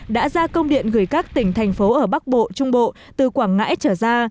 đã ra công điện gửi các tỉnh thành phố ở bắc bộ trung bộ từ quảng ngãi trở ra